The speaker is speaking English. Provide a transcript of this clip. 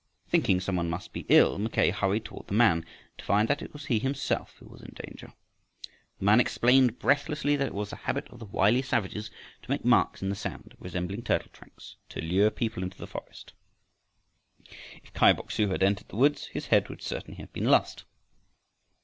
Thinking some one must be ill, Mackay hurried toward the man, to find that it was he himself who was in danger. The man explained breathlessly that it was the habit of the wily savages to make marks in the sand resembling turtle tracks to lure people into the forest. If Kai Bok su had entered the woods, his head would certainly have been lost.